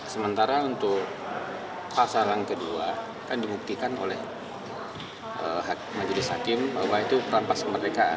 sementara untuk pasalan kedua kan dimuktikan oleh majelis hakim bahwa itu perampasan kemerdekaan